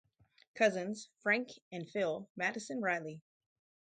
Cousins, Frank, and Phil Madison Riley.